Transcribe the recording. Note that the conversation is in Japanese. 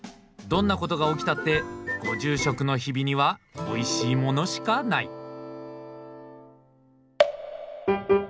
どんなことが起きたってご住職の日々にはおいしいものしかない。